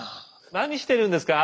何してるんですか？